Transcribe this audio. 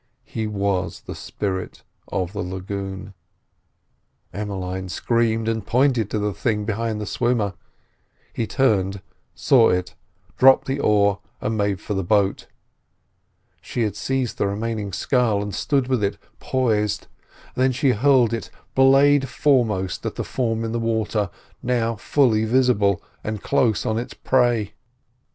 He was the spirit of the lagoon. Emmeline screamed, and pointed to the thing behind the swimmer. He turned, saw it, dropped the oar and made for the boat. She had seized the remaining scull and stood with it poised, then she hurled it blade foremost at the form in the water, now fully visible, and close on its prey.